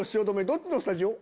どっちのスタジオ？